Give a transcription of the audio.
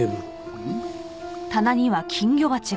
うん？